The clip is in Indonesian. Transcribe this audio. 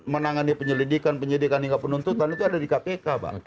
menangani penyelidikan penyidikan hingga penuntutan itu ada di kpk pak